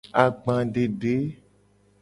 Agbadede.